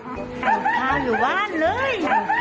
ตรงเท้าอยู่บ้านเลย